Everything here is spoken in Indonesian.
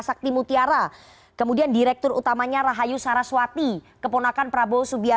jadi terus dipersangkakan bahwa